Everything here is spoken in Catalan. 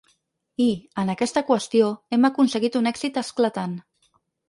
I, en aquesta qüestió, hem aconseguit un èxit esclatant.